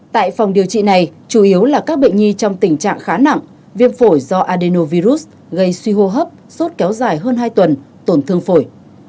tại phòng điều trị này chủ yếu là các bệnh nhi trong tình trạng khá nặng viêm phổi do adenovirus gây suy hô hấp sốt kéo dài hơn hai tuần tổn thương phổi